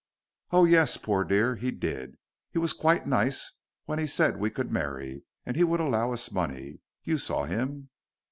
"Oh, yes, poor dear, he did! He was quite nice when he said we could marry and he would allow us money. You saw him?"